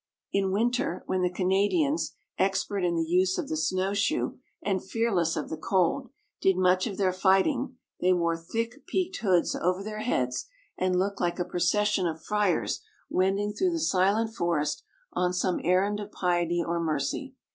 In winter, when the Canadians, expert in the use of the snow shoe and fearless of the cold, did much of their fighting, they wore thick peaked hoods over their heads, and looked like a procession of friars wending through the silent forest on some errand of piety or mercy.